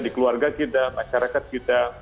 di keluarga kita masyarakat kita